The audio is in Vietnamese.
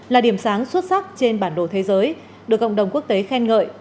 là điểm sáng xuất sắc trên bản đồ thế giới được cộng đồng quốc tế khen ngợi